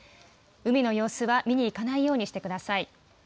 海の様子は見に行かないようにしてください。